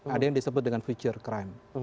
ada yang disebut dengan future crime